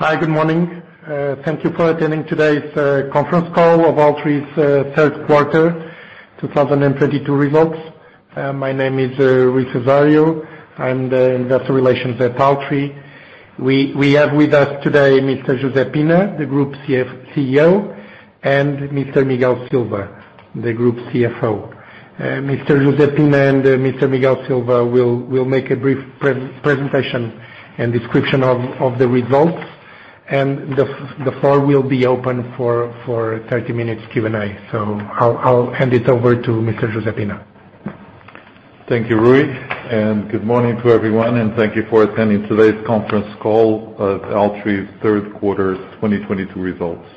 Hi, good morning. Thank you for attending today's conference call of Altri's third quarter 2022 results. My name is Rui Cesário. I'm the investor relations at Altri. We have with us today Mr. José Pina, the group CEO, and Mr. Miguel Silva, the group CFO. Mr. José Pina and Mr. Miguel Silva will make a brief presentation and description of the results. The floor will be open for 30 minutes Q&A. I'll hand it over to Mr. José Pina. Thank you, Rui, good morning to everyone, thank you for attending today's conference call of Altri's third quarter 2022 results.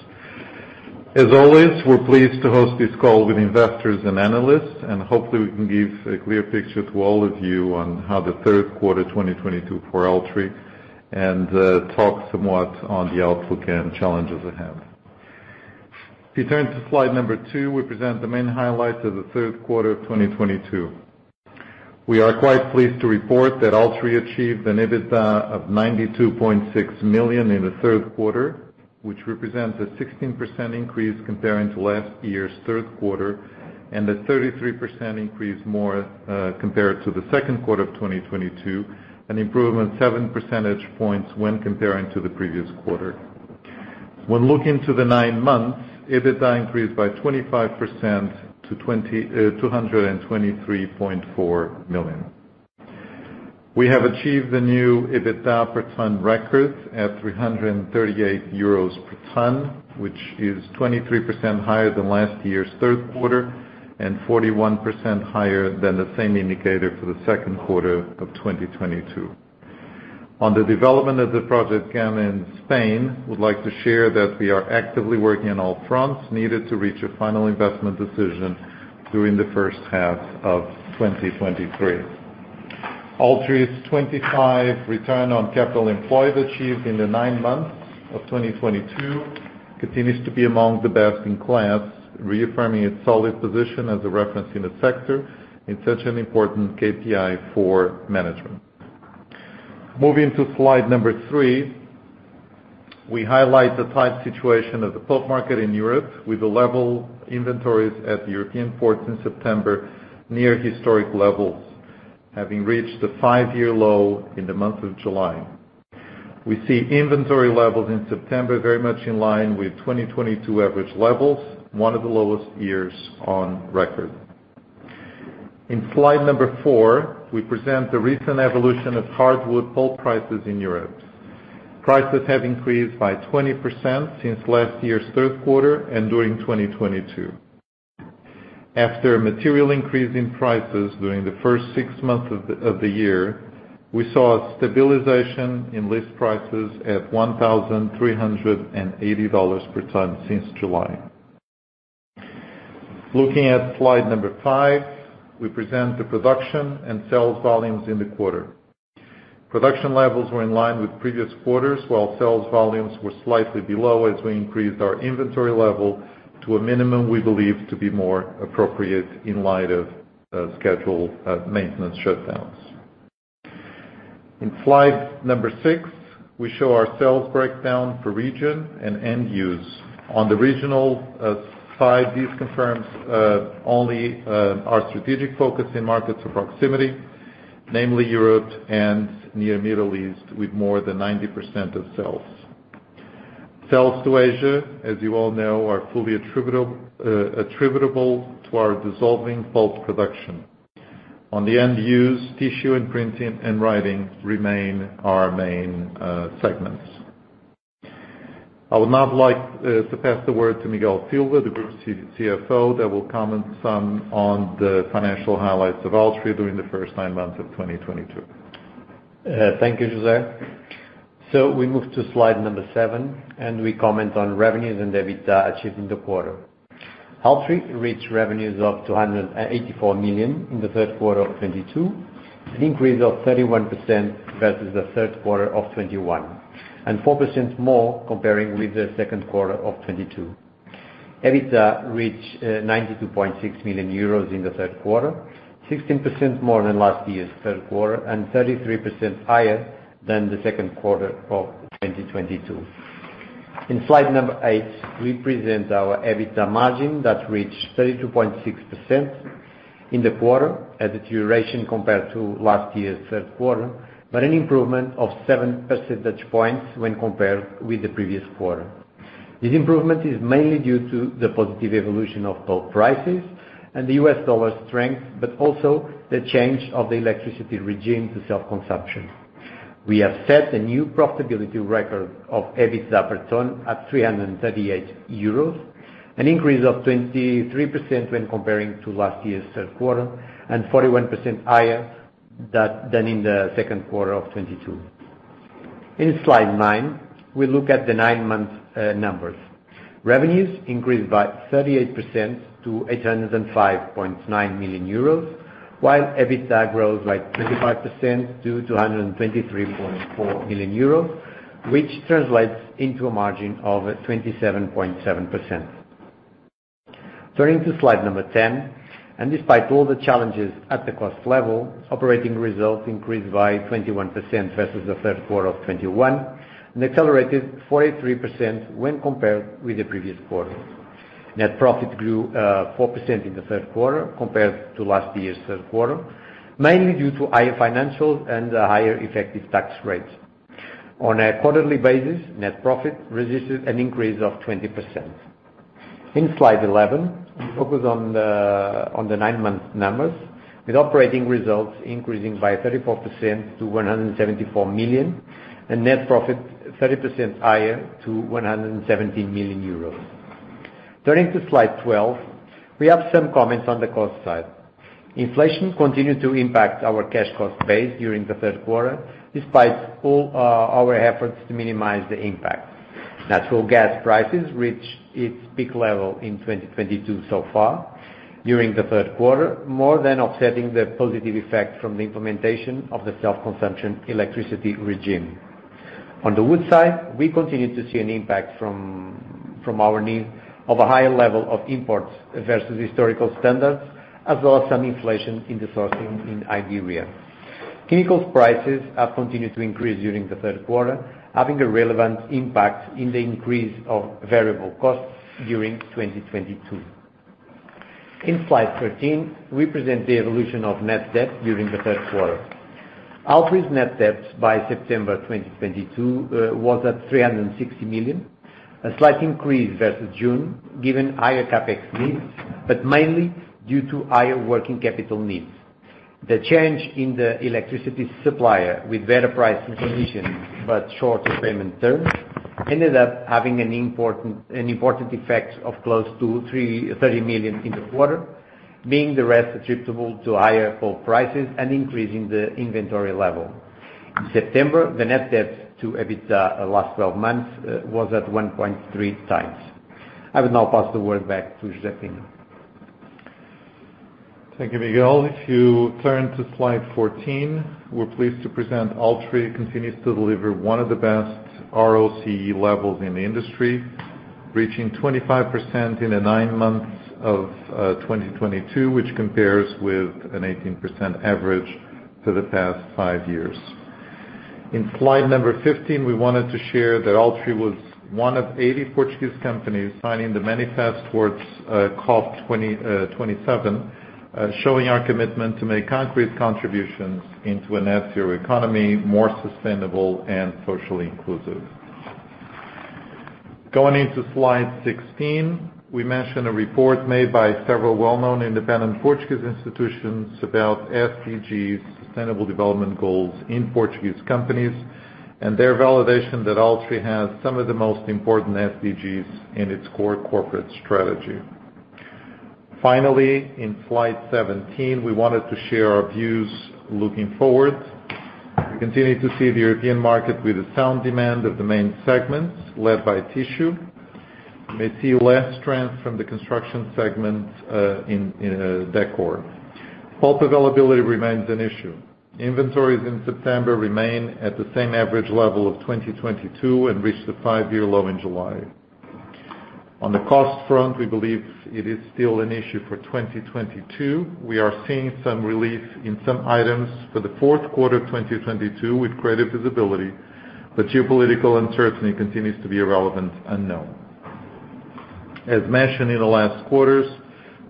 As always, we're pleased to host this call with investors and analysts, hopefully, we can give a clear picture to all of you on how the third quarter 2022 for Altri and talk somewhat on the outlook and challenges ahead. If you turn to slide number two, we present the main highlights of the third quarter of 2022. We are quite pleased to report that Altri achieved an Adjusted EBITDA of 92.6 million in the third quarter, which represents a 16% increase comparing to last year's third quarter, a 33% increase more compared to the second quarter of 2022, an improvement 7% points when comparing to the previous quarter. When looking to the nine months, Adjusted EBITDA increased by 25% to 223.4 million. We have achieved the new Adjusted EBITDA per ton records at 338 euros per ton, which is 23% higher than last year's third quarter and 41% higher than the same indicator for the second quarter of 2022. On the development of the project Gama in Spain, we'd like to share that we are actively working on all fronts needed to reach a final investment decision during the first half of 2023. Altri's 25% return on capital employed achieved in the nine months of 2022 continues to be among the best in class, reaffirming its solid position as a reference in the sector in such an important KPI for management. Moving to slide number three, we highlight the tight situation of the pulp market in Europe with the level inventories at the European ports in September near historic levels, having reached the five year low in the month of July. We see inventory levels in September very much in line with 2022 average levels, one of the lowest years on record. In slide number four, we present the recent evolution of hardwood pulp prices in Europe. Prices have increased by 20% since last year's third quarter and during 2022. After a material increase in prices during the first six months of the year, we saw a stabilization in list prices at $1,380 per ton since July. Looking at slide number five, we present the production and sales volumes in the quarter. Production levels were in line with previous quarters, while sales volumes were slightly below as we increased our inventory level to a minimum we believe to be more appropriate in light of scheduled maintenance shutdowns. In slide number six, we show our sales breakdown for region and end use. On the regional side, this confirms only our strategic focus in markets of proximity, namely Europe and Middle East, with more than 90% of sales. Sales to Asia, as you all know, are fully attributable to our dissolving pulp production. On the end use, tissue and printing and writing remain our main segments. I would now like to pass the word to Miguel Silva, the group CFO, that will comment some on the financial highlights of Altri during the first nine months of 2022. Thank you, José. We move to slide number seven, and we comment on revenues and Adjusted EBITDA achieved in the quarter. Altri reached revenues of 284 million in the third quarter of 2022, an increase of 31% versus the third quarter of 2021, and 4% more comparing with the second quarter of 2022. Adjusted EBITDA reached 92.6 million euros in the third quarter, 16% more than last year's third quarter and 33% higher than the second quarter of 2022. In slide number eight, we present our EBITDA margin that reached 32.6% in the quarter, a deterioration compared to last year's third quarter, but an improvement of 7% points when compared with the previous quarter. This improvement is mainly due to the positive evolution of pulp prices and the U.S. dollar strength, but also the change of the electricity regime to self-consumption. We have set a new profitability record of Adjusted EBITDA per ton at 338 euros, an increase of 23% when comparing to last year's third quarter and 41% higher than in the second quarter of 2022. In slide nine, we look at the nine-month numbers. Revenues increased by 38% to 805.9 million euros, while Adjusted EBITDA grows by 25% to 223.4 million euros, which translates into a margin of 27.7%. Turning to slide 10, despite all the challenges at the cost level, operating results increased by 21% versus the third quarter of 2021, and accelerated 43% when compared with the previous quarter. Net profit grew 4% in the third quarter compared to last year's third quarter, mainly due to higher financials and higher effective tax rates. On a quarterly basis, net profit resisted an increase of 20%. In slide 11, we focus on the nine-month numbers, with operating results increasing by 34% to 174 million, and net profit 30% higher to 117 million euros. Turning to slide 12, we have some comments on the cost side. Inflation continued to impact our cash cost base during the third quarter, despite all our efforts to minimize the impact. Natural gas prices reached its peak level in 2022 so far during the third quarter, more than offsetting the positive effect from the implementation of the self-consumption electricity regime. On the wood side, we continue to see an impact from our need of a higher level of imports versus historical standards, as well as some inflation in the sourcing in Iberia. Chemicals prices have continued to increase during the third quarter, having a relevant impact in the increase of variable costs during 2022. In slide 13, we present the evolution of net debt during the third quarter. Altri's net debt by September 2022, was at 360 million, a slight increase versus June, given higher CapEx needs, but mainly due to higher working capital needs. The change in the electricity supplier with better pricing conditions but shorter payment terms ended up having an important effect of close to 30 million in the quarter, being the rest attributable to higher whole prices and increasing the inventory level. In September, the net debt to Adjusted EBITDA last 12 months, was at 1.3 times. I will now pass the word back to José Pina. Thank you, Miguel. If you turn to slide 14, we're pleased to present Altri continues to deliver one of the best ROCE levels in the industry, reaching 25% in the nine months of 2022, which compares with an 18% average for the past five years. Slide number 15, we wanted to share that Altri was one of 80 Portuguese companies signing the Manifest towards COP27, showing our commitment to make concrete contributions into a net zero economy, more sustainable and socially inclusive. Slide 16, we mention a report made by several well-known independent Portuguese institutions about SDGs, Sustainable Development Goals in Portuguese companies, and their validation that Altri has some of the most important SDGs in its core corporate strategy. Slide 17, we wanted to share our views looking forward. We continue to see the European market with a sound demand of the main segments, led by tissue. We may see less strength from the construction segment in decor. Pulp availability remains an issue. Inventories in September remain at the same average level of 2022 and reached the five year low in July. On the cost front, we believe it is still an issue for 2022. We are seeing some relief in some items for the fourth quarter of 2022 with greater visibility, but geopolitical uncertainty continues to be a relevant unknown. As mentioned in the last quarters,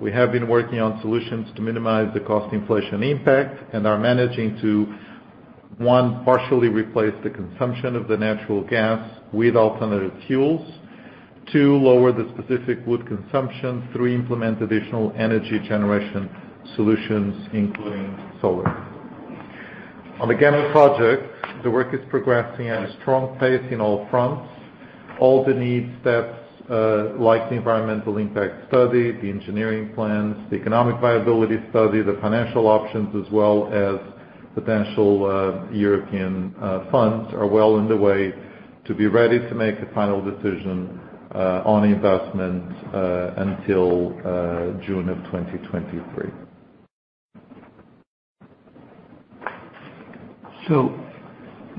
we have been working on solutions to minimize the cost inflation impact and are managing to, One partially replace the consumption of the natural gas with alternative fuels. Two lower the specific wood consumption. Three implement additional energy generation solutions, including solar. On the Gama Project, the work is progressing at a strong pace in all fronts. All the needs that, like the environmental impact study, the engineering plans, the economic viability study, the financial options, as well as potential European funds, are well underway to be ready to make a final decision on investment until June 2023.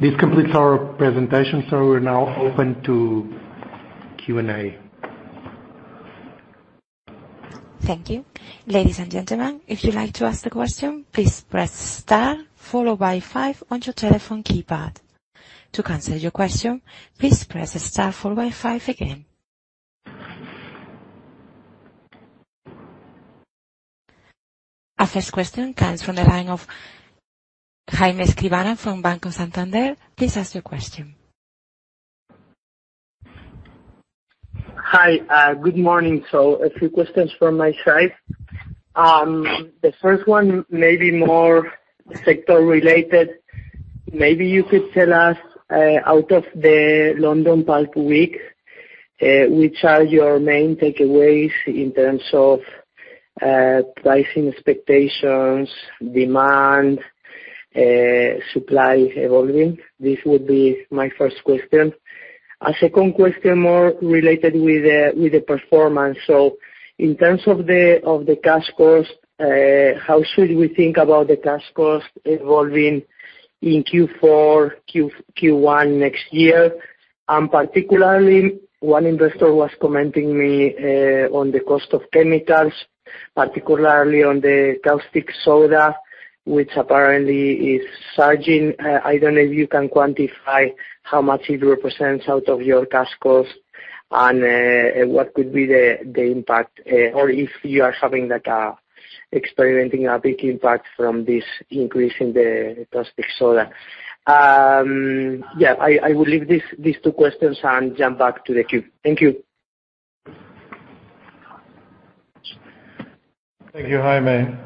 This completes our presentation, so we're now open to Q&A. Thank you. Ladies and gentlemen, if you'd like to ask a question, please press star followed by five on your telephone keypad. To cancel your question, please press star followed by five again. Our first question comes from the line of Jaime Escribano from Banco Santander. Please ask your question. Hi, good morning. A few questions from my side. The first one may be more sector related. Maybe you could tell us out of the London Pulp Week, which are your main takeaways in terms of pricing expectations, demand, supply evolving? This would be my first question. A second question more related with the performance. In terms of the cash cost, how should we think about the cash cost evolving in Q4, Q1 next year? Particularly one investor was commenting me on the cost of chemicals, particularly on the caustic soda, which apparently is surging. I don't know if you can quantify how much it represents out of your cash costs and what could be the impact, or if you are having like a experimenting a big impact from this increase in the caustic soda. I will leave these two questions and jump back to the queue. Thank you. Thank you, Jaime.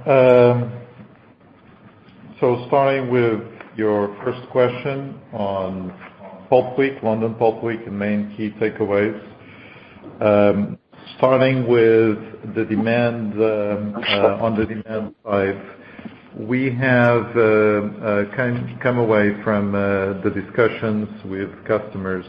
Starting with your first question on Pulp Week, London Pulp Week and main key takeaways. Starting with the demand, on the demand side, we have kind of come away from the discussions with customers,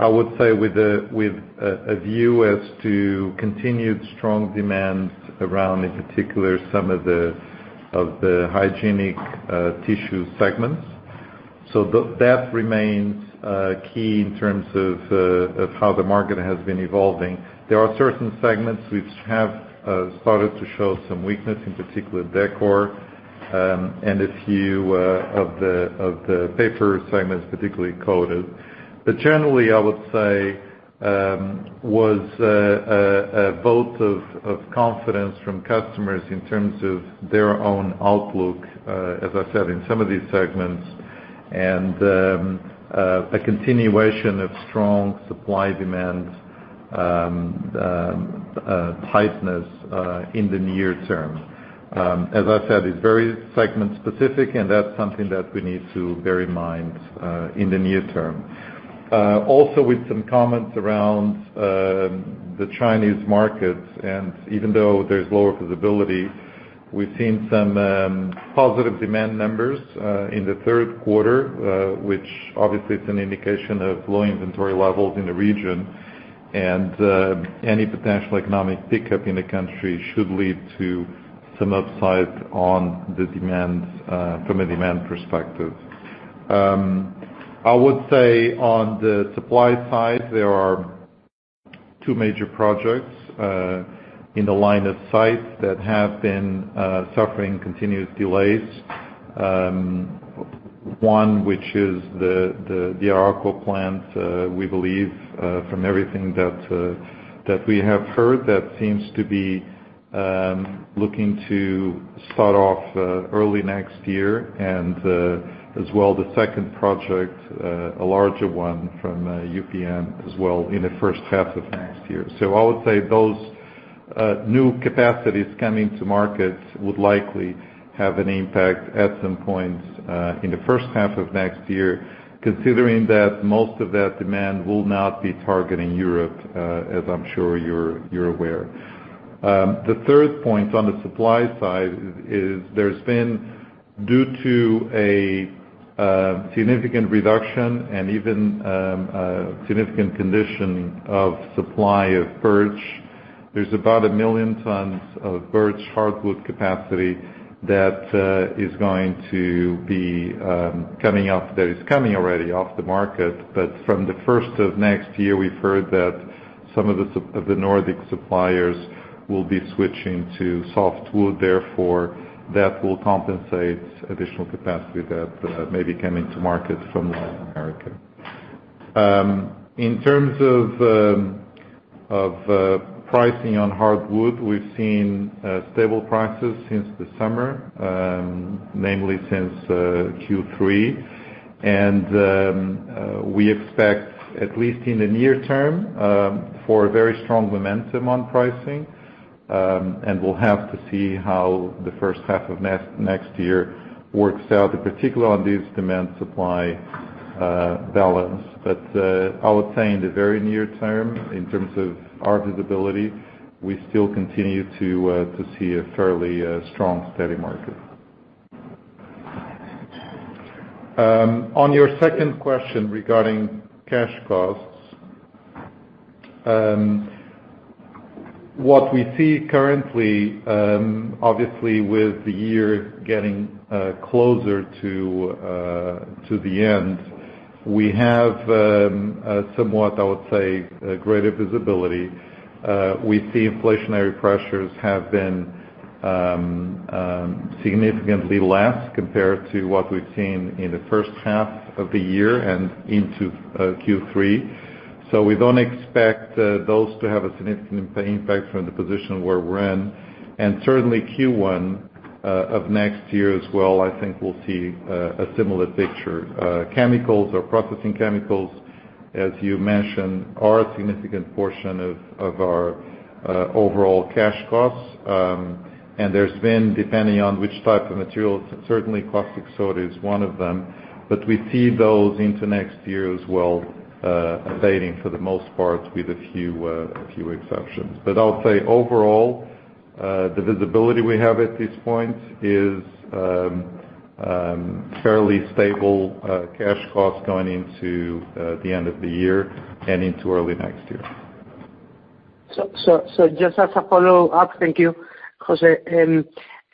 I would say with a, with a view as to continued strong demand around, in particular, some of the of the hygienic tissue segments. That remains key in terms of of how the market has been evolving. There are certain segments which have started to show some weakness, in particular decor, and a few of the of the paper segments, particularly coated. Generally, I would say, was a vote of confidence from customers in terms of their own outlook, as I said, in some of these segments, and a continuation of strong supply-demand tightness in the near term. As I said, it's very segment specific, and that's something that we need to bear in mind in the near term. Also with some comments around the Chinese markets, and even though there's lower visibility, we've seen some positive demand numbers in the third quarter, which obviously is an indication of low inventory levels in the region. Any potential economic pickup in the country should lead to some upside on the demand from a demand perspective. I would say on the supply side, there are two major projects in the line of sight that have been suffering continuous delays. One, which is the Arauco plant, we believe from everything that we have heard, that seems to be looking to start off early next year. As well, the second project, a larger one from UPM as well in the first half of next year. I would say those new capacities coming to market would likely have an impact at some point in the first half of next year, considering that most of that demand will not be targeting Europe, as I'm sure you're aware. The third point on the supply side is there's been due to a significant reduction and even a significant condition of supply of birch, there's about 1 million tons of birch hardwood capacity that is coming already off the market. From the first of next year, we've heard that some of the Nordic suppliers will be switching to softwood, therefore, that will compensate additional capacity that maybe came into market from North America. In terms of pricing on hardwood, we've seen stable prices since the summer, namely since Q3. We expect, at least in the near term, for very strong momentum on pricing, and we'll have to see how the 1st half of next year works out, in particular on this demand-supply balance. I'll say in the very near term, in terms of our visibility, we still continue to see a fairly strong, steady market. On your second question regarding cash costs, what we see currently, obviously with the year getting closer to the end, we have somewhat, I would say, greater visibility. We see inflationary pressures have been significantly less compared to what we've seen in the first half of the year and into Q3. We don't expect those to have a significant impact from the position where we're in. Certainly Q1 of next year as well, I think we'll see a similar picture. Chemicals or processing chemicals, as you mentioned, are a significant portion of our overall cash costs. There's been, depending on which type of materials, certainly caustic soda is one of them. We see those into next year as well, abating for the most part with a few exceptions. I'll say overall, the visibility we have at this point is, fairly stable, cash costs going into the end of the year and into early next year. Just as a follow-up. Thank you, José.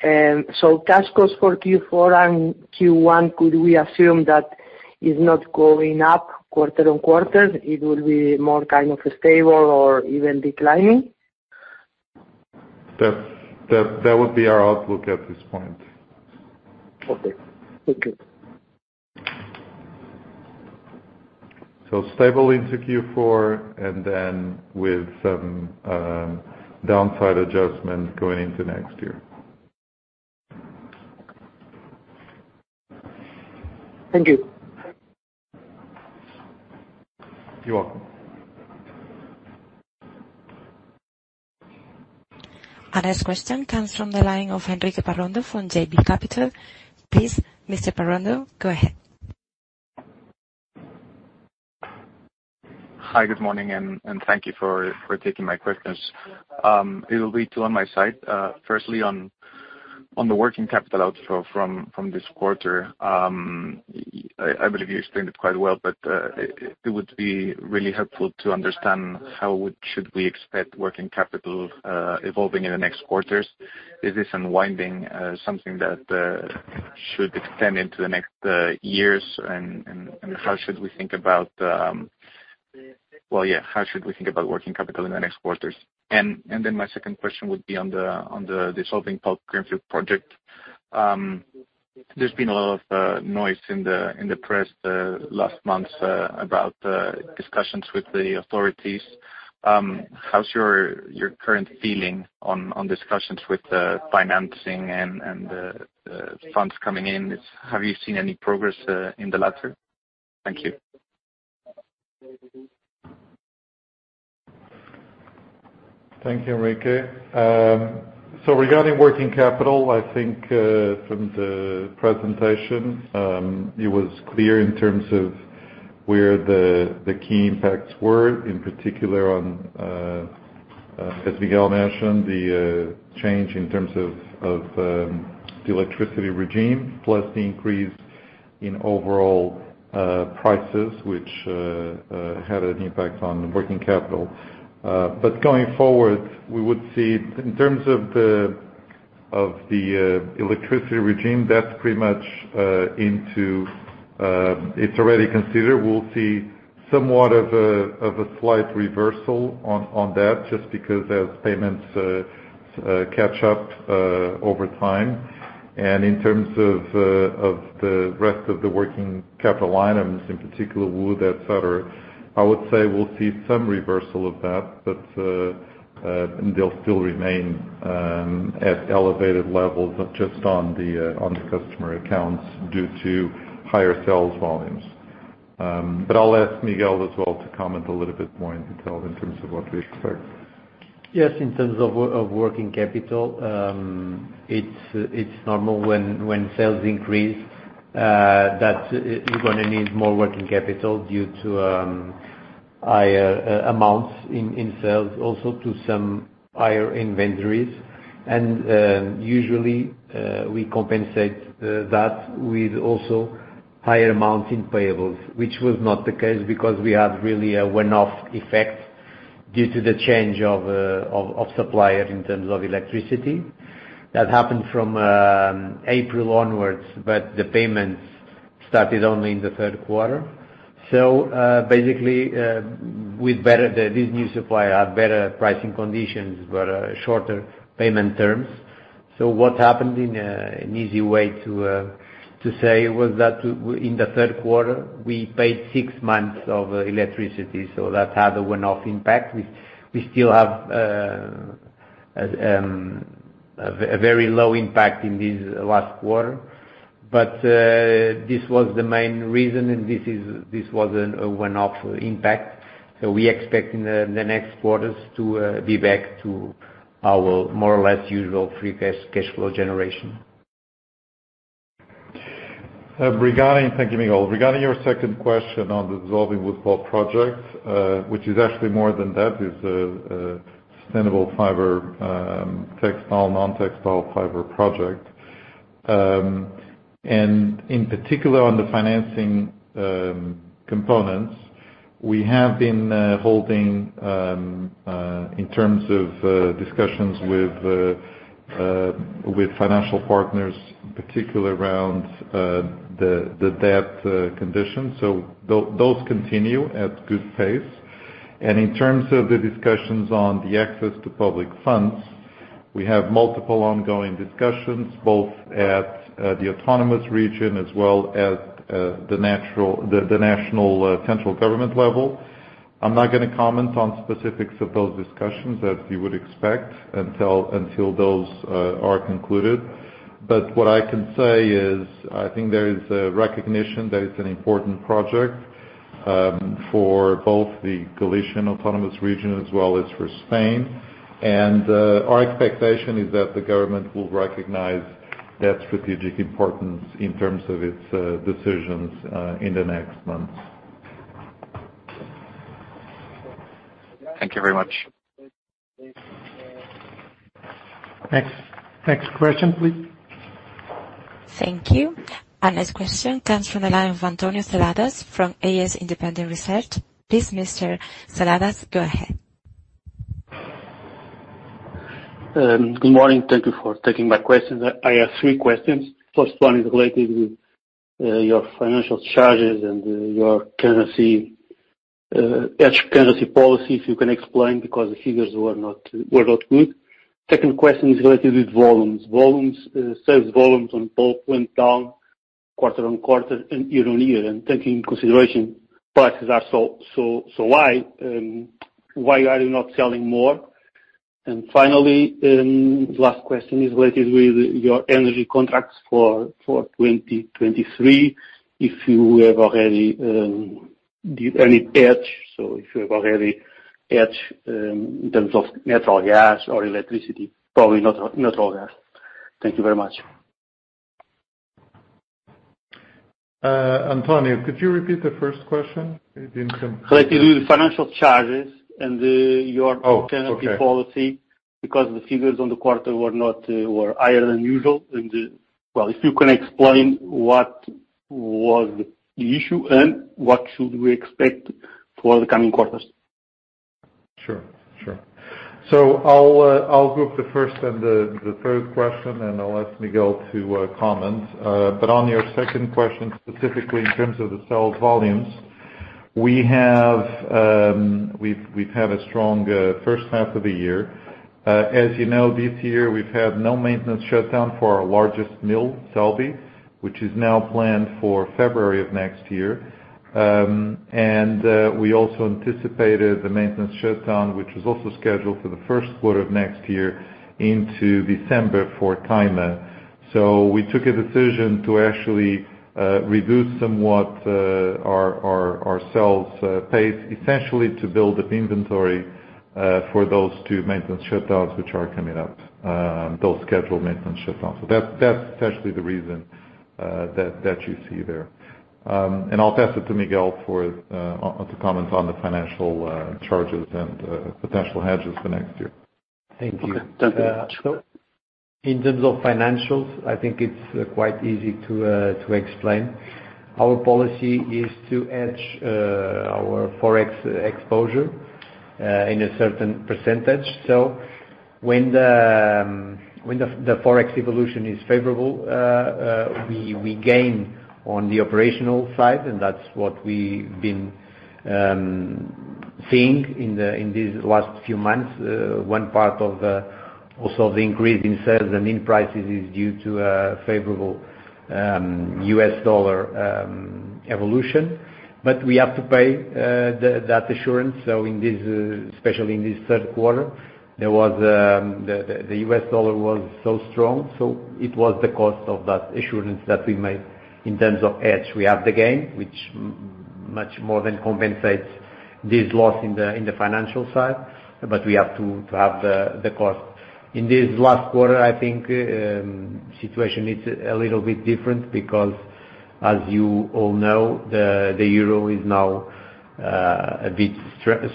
Cash costs for Q4 and Q1, could we assume that it's not going up QoQ? It will be more kind of stable or even declining? That would be our outlook at this point. Okay. Thank you. Stable into Q4, with some downside adjustments going into next year. Thank you. You're welcome. Our next question comes from the line of Enrique Parrondo from JB Capital. Please, Mr. Parrondo, go ahead. Hi, good morning, and thank you for taking my questions. It will be two on my side. Firstly on the working capital outflow from this quarter. I believe you explained it quite well, but it would be really helpful to understand should we expect working capital evolving in the next quarters. Is this unwinding something that should extend into the next years, and how should we think about working capital in the next quarters? Then my second question would be on the dissolving pulp greenfield project. There's been a lot of noise in the press last month about discussions with the authorities. How's your current feeling on discussions with the financing and the funds coming in? Have you seen any progress in the latter? Thank you. Thank you, Enrique. Regarding working capital, I think, from the presentation, it was clear in terms of where the key impacts were, in particular on, as Miguel mentioned, the change in terms of, the electricity regime, plus the increase in overall prices, which had an impact on working capital. Going forward, we would see in terms of the, of the electricity regime, that's pretty much into, it's already considered. We'll see somewhat of a slight reversal on that just because as payments catch up over time. In terms of the rest of the working capital items, in particular wood, etc., I would say we'll see some reversal of that. They'll still remain, at elevated levels, but just on the customer accounts due to higher sales volumes. I'll ask Miguel as well to comment a little bit more in detail in terms of what we expect. Yes, in terms of working capital, it's normal when sales increase, that you're gonna need more working capital due to higher amounts in sales, also to some higher inventories. Usually, we compensate that with also higher amounts in payables, which was not the case because we had really a one-off effect due to the change of supplier in terms of electricity. That happened from April onwards, but the payments started only in the third quarter. Basically, this new supplier had better pricing conditions, but shorter payment terms. What happened in an easy way to say was that in the third quarter, we paid six months of electricity, so that had a one-off impact. We still have a very low impact in this last quarter. This was the main reason, and this was a one-off impact. We expect in the next quarters to be back to our more or less usual free cash flow generation. Thank you, Miguel. Regarding your second question on the dissolving wood pulp project, which is actually more than that, it's a sustainable fiber, textile, non-textile fiber project. In particular on the financing components, we have been holding in terms of discussions with financial partners, particularly around the debt conditions. Those continue at good pace. In terms of the discussions on the access to public funds, we have multiple ongoing discussions, both at the autonomous region as well as the national central government level. I'm not gonna comment on specifics of those discussions, as you would expect, until those are concluded. What I can say is I think there is a recognition that it's an important project for both the Galician autonomous region as well as for Spain. Our expectation is that the government will recognize that strategic importance in terms of its decisions in the next months. Thank you very much. Next question, please. Thank you. Our next question comes from the line of António Seladas from AS Independent Research. Please, Mr. Seladas, go ahead. Good morning. Thank you for taking my questions. I have three questions. First one is related with your financial charges and your currency hedge currency policy, if you can explain, because the figures were not good. Second question is related with volumes. Sales volumes on both went down QoQ and YoY. Taking into consideration prices are so, why are you not selling more? Finally, the last question is related with your energy contracts for 2023, if you have already any hedge. If you have already hedged in terms of natural gas or electricity, probably not natural gas. Thank you very much. António, could you repeat the first question? It didn't come. Related with financial charges and your currency policy, because the figures on the quarter were not, were higher than usual. Well, if you can explain what was the issue and what should we expect for the coming quarters? Sure. Sure. I'll group the first and the third question, and I'll ask Miguel to comment. On your second question, specifically in terms of the sales volumes, we've had a strong first half of the year. As you know, this year we've had no maintenance shutdown for our largest mill, Celbi, which is now planned for February of next year. We also anticipated the maintenance shutdown, which was also scheduled for the first quarter of next year into December for Caima. We took a decision to actually reduce somewhat our sales pace, essentially to build up inventory for those two maintenance shutdowns which are coming up, those scheduled maintenance shutdowns. That's essentially the reason you see there. I'll pass it to Miguel for to comment on the financial charges and potential hedges for next year. Thank you. Okay. Thank you very much. Miguel. In terms of financials, I think it's quite easy to explain. Our policy is to hedge our Forex exposure in a certain percentage. When the Forex evolution is favorable, we gain on the operational side, and that's what we've been seeing in these last few months. One part of also the increase in sales and in prices is due to a favorable U.S. dollar evolution. We have to pay that assurance. In this, especially in this third quarter, there was the U.S. dollar was so strong, so it was the cost of that assurance that we made. In terms of hedge, we have the gain, which much more than compensates this loss in the financial side, but we have to have the cost. In this last quarter, I think, situation is a little bit different because as you all know, the euro is now a bit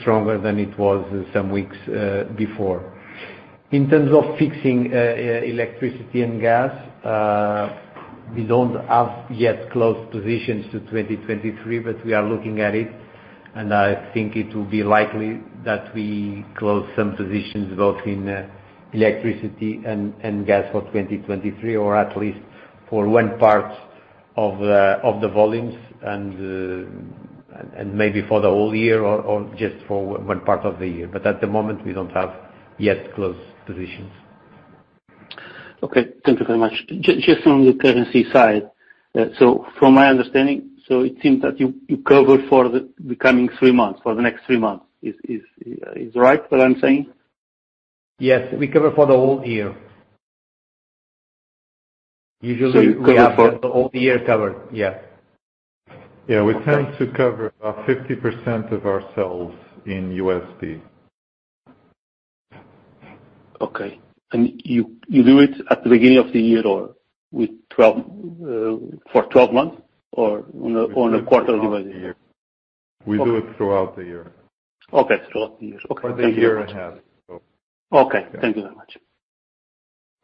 stronger than it was some weeks before. In terms of fixing electricity and gas, we don't have yet closed positions to 2023, but we are looking at it, and I think it will be likely that we close some positions both in electricity and gas for 2023, or at least for one part of the volumes and maybe for the whole year or just for one part of the year. At the moment, we don't have yet closed positions. Okay. Thank you very much. Just on the currency side. From my understanding, it seems that you cover for the coming three months, for the next three months. Is right what I'm saying? Yes. We cover for the whole year. Usually. You cover. We have the whole year covered. Yeah. Yeah. Okay. We tend to cover about 50% of our sales in U.S.D. Okay. You do it at the beginning of the year or with 12 for 12 months or on a quarterly basis? We do it throughout the year. Okay. Throughout the year. Okay. Thank you very much. The year ahead. Okay. Thank you very much.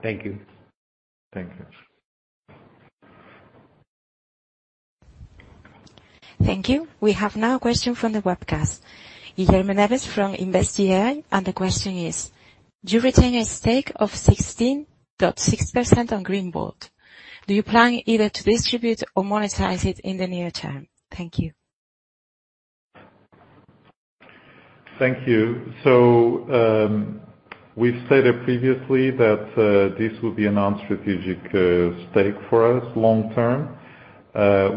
Thank you. Thank you. Thank you. We have now a question from the webcast, Guilherme Neves from InvestiER. The question is: Do you retain a stake of 16.6% on GreenVolt? Do you plan either to distribute or monetize it in the near term? Thank you. Thank you. We've stated previously that this will be a non-strategic stake for us long term.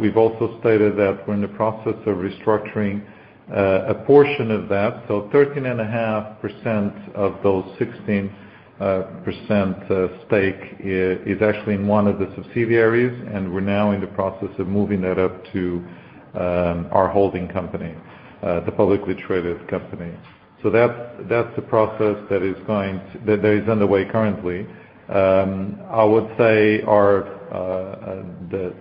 We've also stated that we're in the process of restructuring a portion of that. 13.5% of those 16% stake is actually in one of the subsidiaries, and we're now in the process of moving that up to our holding company, the publicly traded company. That's the process that is underway currently. I would say our the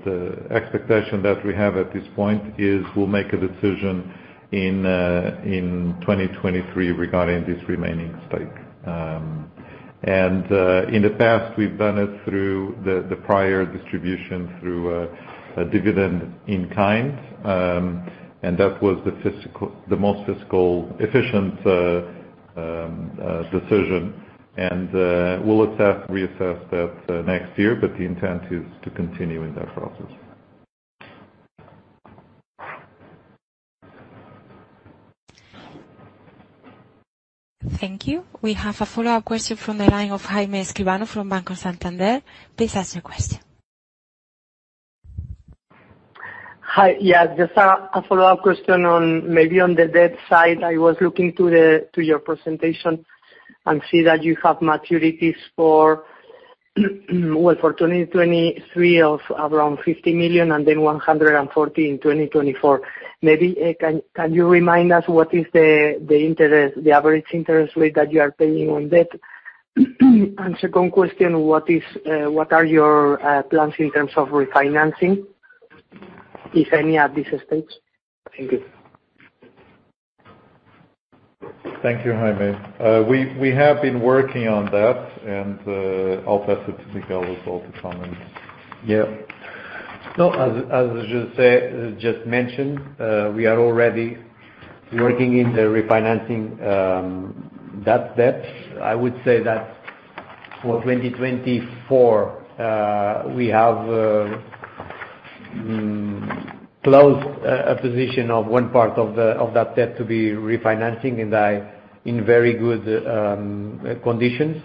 expectation that we have at this point is we'll make a decision in 2023 regarding this remaining stake. In the past, we've done it through the prior distribution through a dividend in kind. That was the most fiscal efficient decision. We'll reassess that next year, but the intent is to continue in that process. Thank you. We have a follow-up question from the line of Jaime Escribano from Banco Santander. Please ask your question. Hi. Yes, just a follow-up question on maybe on the debt side. I was looking to your presentation and see that you have maturities for well, for 2023 of around 50 million and then 140 million in 2024. Maybe, can you remind us what is the average interest rate that you are paying on debt? And second question, what are your plans in terms of refinancing, if any, at this stage? Thank you. Thank you, Jaime. We have been working on that, and I'll pass it to Miguel to comment. Yeah. No, as José just mentioned, we are already working in the refinancing that debt. I would say that for 2024, we have closed a position of one part of that debt to be refinancing in very good conditions.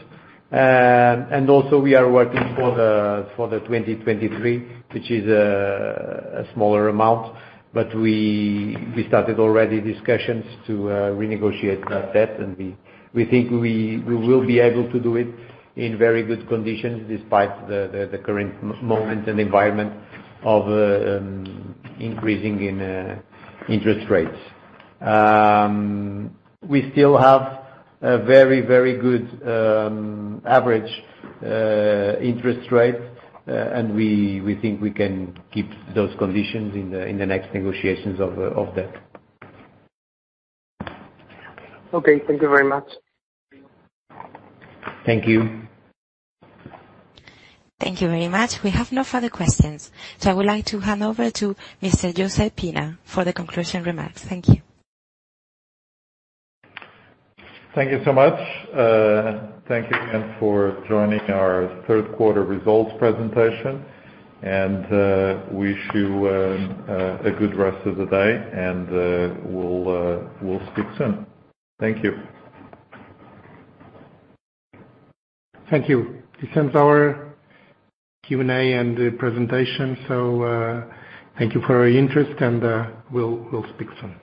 Also we are working for the 2023, which is a smaller amount. We started already discussions to renegotiate that debt, and we think we will be able to do it in very good conditions despite the current moment and environment of increasing in interest rates. We still have a very good average interest rate. We think we can keep those conditions in the next negotiations of that. Okay. Thank you very much. Thank you. Thank you very much. We have no further questions. I would like to hand over to Mr. José Pina for the conclusion remarks. Thank you. Thank you so much. Thank you again for joining our third quarter results presentation. Wish you, a good rest of the day, and, we'll speak soon. Thank you. Thank you. This ends our Q&A and the presentation. Thank you for your interest, and, we'll speak soon.